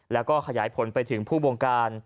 แล้วก็ขยายผลไปถึงผู้บงการ